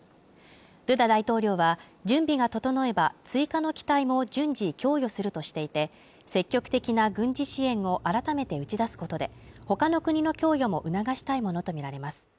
ドゥダ大統領は、準備が整えば、追加の機体も順次供用するとしていて積極的な軍事支援を改めて打ち出すことで、他の国の供与も促したいものとみられます。